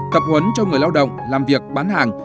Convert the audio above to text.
tập huấn cho người lao động làm việc bán hàng